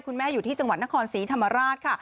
คุณแม่อยู่ที่จังหวัดนครศรีธรรมราชค่ะ